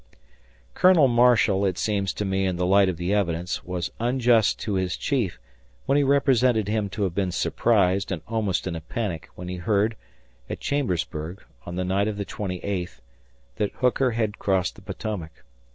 Colonel Marshall, it seems to me in the light of the evidence, was unjust to his chief when he represented him to have been surprised and almost in a panic when he heard, at Chambersburg, on the night of the twenty eighth, that Hooker had crossed the Potomac.